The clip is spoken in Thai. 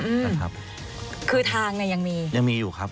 อืมนะครับคือทางเนี้ยยังมียังมีอยู่ครับ